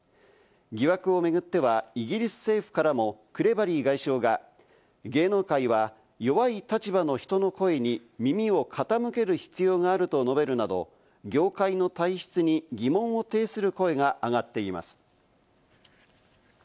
疑惑を巡っては、イギリス政府からもクレバリー外相が芸能界は弱い立場の人の声に耳を傾ける必要があると述べるなど、業界の体質に疑問を呈する声が上がっています。